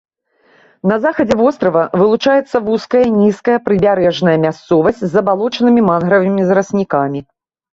На захадзе вострава вылучаецца вузкая нізкая прыбярэжная мясцовасць з забалочанымі мангравымі зараснікамі.